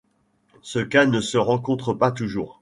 Ce cas ne se rencontre pas toujours.